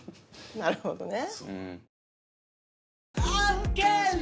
なるほどね。